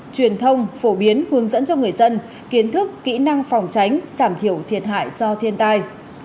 truyền thông phổ biến hướng dẫn cho người dân kiến thức kỹ năng phòng tránh giảm thiểu thiệt hại do thiên tai